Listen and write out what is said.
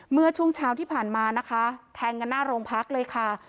เมื่อช่วงเช้าที่ผ่านมานะคะแทงกันหน้าโรงพักเลยค่ะ